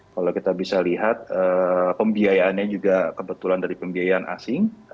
kalau kita bisa lihat pembiayaannya juga kebetulan dari pembiayaan asing